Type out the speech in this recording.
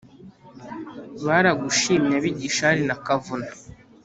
baragushimye abi gishari na kavuna